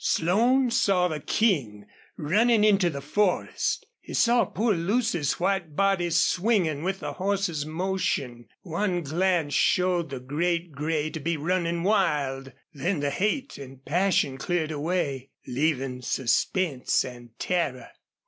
Slone saw the King running into the forest. He saw poor Lucy's white body swinging with the horse's motion. One glance showed the great gray to be running wild. Then the hate and passion cleared away, leaving suspense and terror.